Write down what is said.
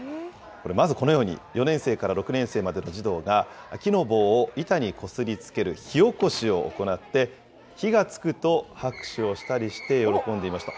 まずこのように、５年生から６年生までの児童が木の棒を板にこすりつける火おこしを行って、火がつくと拍手をしたりして喜んでいました。